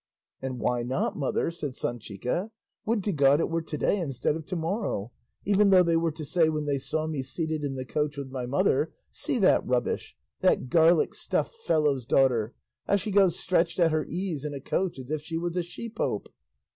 "And why not, mother!" said Sanchica; "would to God it were to day instead of to morrow, even though they were to say when they saw me seated in the coach with my mother, 'See that rubbish, that garlic stuffed fellow's daughter, how she goes stretched at her ease in a coach as if she was a she pope!